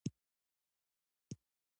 په غرمه کې د کوترې غږونه ښکته شي